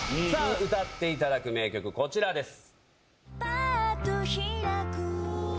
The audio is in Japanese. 歌っていただく名曲こちらです。